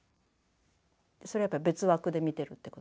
それはやっぱ別枠で見てるってこと。